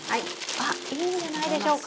あっいいんじゃないでしょうか？